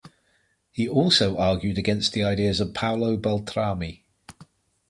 He also argued against the ideas of Paolo Beltrami.